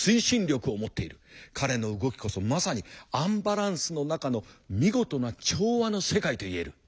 彼の動きこそまさにアンバランスの中の見事な調和の世界と言える。